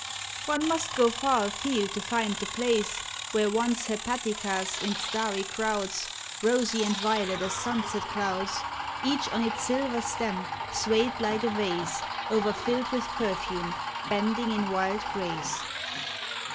One must go far afield to find the place Where once hepaticas in starry crowds, Kosy and violet as sunset clouds, Each on its silver stem, swayed like a vase O'er filled with perfume, bending in wild grace.